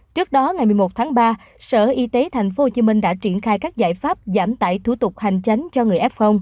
trước đó ngày một mươi một tháng ba sở y tế tp hcm đã triển khai các giải pháp giảm tải thủ tục hành chính cho người f